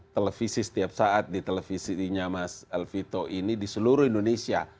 televisi setiap saat di televisinya mas elvito ini di seluruh indonesia